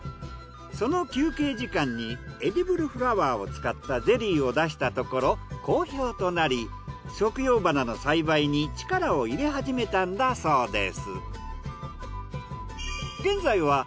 その休憩時間にエディブルフラワーを使ったゼリーを出したところ好評となり食用花の栽培に力を入れ始めたんだそうです。